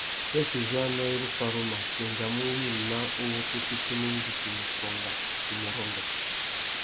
Tsêssê uzu anô i ru faruma, tu engamú wïmá uwú tu fitimú indi tu mù songha, tu mù rôndô.